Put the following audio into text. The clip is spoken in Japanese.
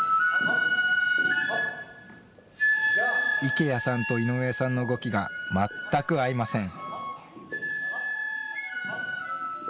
池谷さんと井上さんの動きが全く合いません。